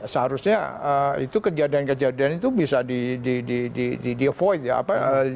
seharusnya itu kejadian kejadian itu bisa di avoid ya